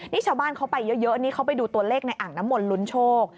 นี่ชาวบ้านเขาไปเยอะนี่เขาไปดูตัวเลขในอ่างน้ำมนต์ลุ้นโชค